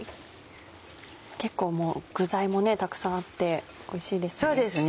結構もう具材もたくさんあっておいしいですよね。